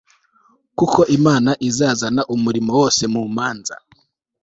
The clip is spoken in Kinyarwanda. kuko imana izazana umurimo wose mu manza